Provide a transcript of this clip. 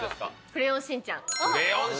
クレヨンしんちゃん！